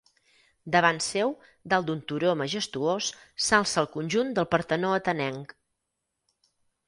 Davant seu, dalt d'un turó majestuós, s'alça el conjunt del Partenó atenenc.